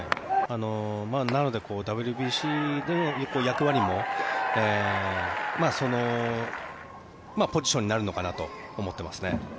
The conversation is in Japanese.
なのでＷＢＣでの役割もそのポジションになるのかなと思ってます。